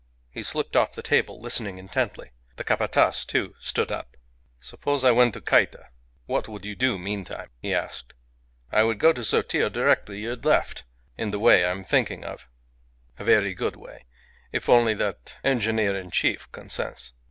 He slipped off the table, listening intently. The Capataz, too, stood up. "Suppose I went to Cayta, what would you do meantime?" he asked. "I would go to Sotillo directly you had left in the way I am thinking of." "A very good way if only that engineer in chief consents.